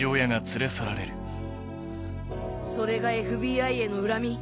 ハァハァそれがＦＢＩへの恨み？